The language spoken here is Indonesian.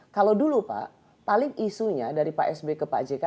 kalau dulu pak paling isunya dari pak sby ke pak jk